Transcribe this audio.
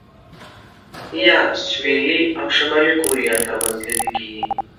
یا سوېلي او شمالي کوریا ترمنځ لیدل کېږي.